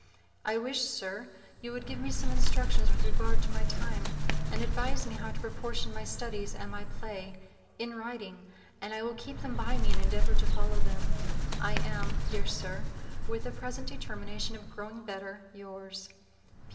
I wish, Sir, you would give me some instructions with regard to my time, and advise me how to proportion my Studies and my Play, in writing, and I will keep them by me and endeavor to follow them. I am, dear Sir, with a present determination of growing better. Yours.